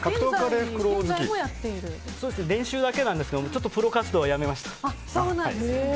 練習だけなんですけどプロ活動はやめました。